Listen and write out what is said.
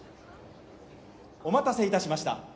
お待たせいたしました。